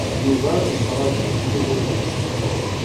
Yuba yettṛaju yiwen.